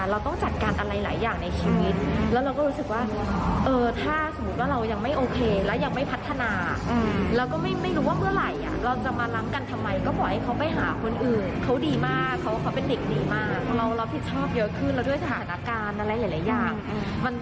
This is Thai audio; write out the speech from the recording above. เรารับผิดชอบเยอะขึ้นเราด้วยสถานการณ์อะไรหลายอย่าง